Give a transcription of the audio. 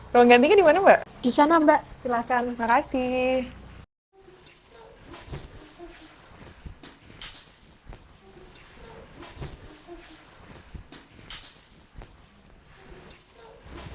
ruang gantinya dimana mbak disana mbak silahkan makasih